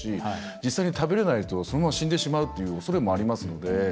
実際に食べれない人はそのまま死んでしまうっていうおそれもありますので。